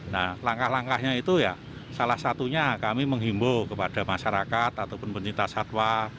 nah langkah langkahnya itu ya salah satunya kami menghimbau kepada masyarakat ataupun pencinta satwa